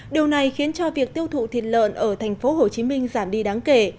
điều này khiến cho việc tiêu thụ thịt lợn ở tp hcm giảm đi đáng kể